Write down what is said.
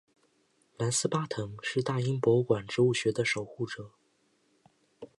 兰斯巴腾是大英博物馆植物学的守护者。